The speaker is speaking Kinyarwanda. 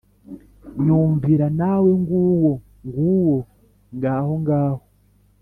nyumvira nawe nguwo ! nguwo ! ngaho ! ngaho !